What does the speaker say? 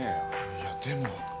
いやでも。